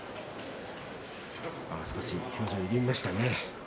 少し表情が緩みましたね。